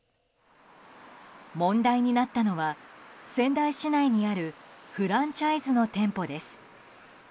問題になったのは仙台市内にあるフランチャイズの店舗です。